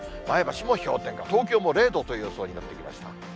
前橋も氷点下、東京も０度という予想になってきます。